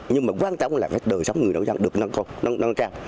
nhưng mà quan tâm là đời sống người nội dân được nâng cao